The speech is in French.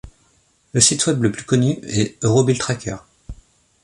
Le site web le plus connu est EuroBillTracker.